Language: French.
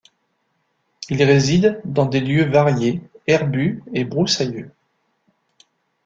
Il réside dans des lieux variés herbus et broussailleux.